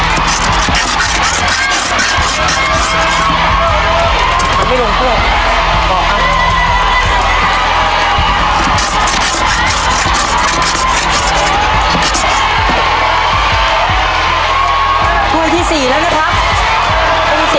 กำลังที่ดีดีครับระวังมือ